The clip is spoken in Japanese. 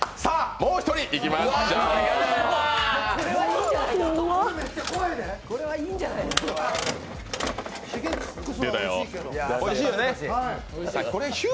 もう１人いきましょう。